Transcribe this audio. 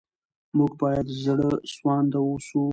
موږ باید زړه سوانده اوسو.